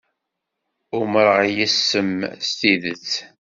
Umreɣ yes-m s tidet.